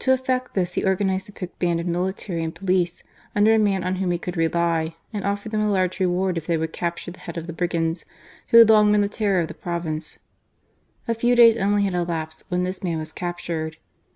To effect this he organized a picked band of military and police, under a man on whom he could rely, and offered them a large reward if they would capture the head of the brigands, who had long been the terror of the province. A few days only had elapsed when this man was captured.